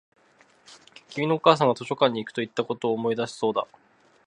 君のお母さんが図書館に行くと言ったことを思い出したそうだ